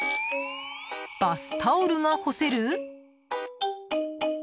バスタオルが干せる？